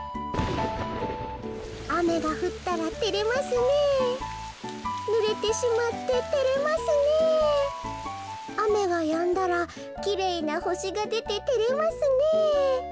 「あめがふったらてれますねえぬれてしまっててれますねえあめがやんだらきれいなほしがでててれますねえ」。